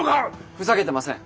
ふざけてません。